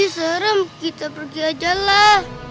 serem kita pergi ajalah